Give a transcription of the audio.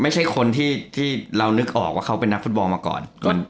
ไม่ใช่คนที่เรานึกออกว่าเขาเป็นนักฟุตบอลมาก่อน